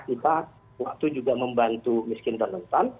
pertanyaannya adalah apakah kita waktu juga membantu miskin dan rentan